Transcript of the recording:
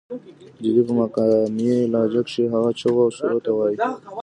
جلۍ پۀ مقامي لهجه کښې هغه چغو او سُورو ته وائي